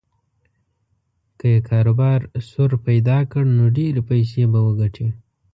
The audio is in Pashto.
که یې کاروبار سور پیدا کړ نو ډېرې پیسې به وګټي.